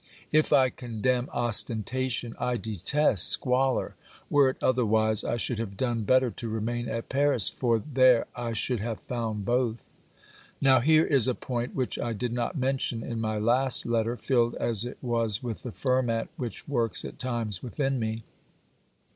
If I con demn ostentation, I detest squalor. Were it otherwise, I OBERMANN S5 should have done better to remain at Paris, for there I should have found both. Now here is a point which I did not mention in my last letter, filled as it was with the ferment which works at times within me.